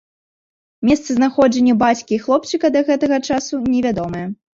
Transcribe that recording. Месцазнаходжанне бацькі і хлопчыка да гэтага часу невядомае.